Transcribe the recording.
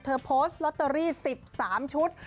โพสต์ลอตเตอรี่๑๓ชุด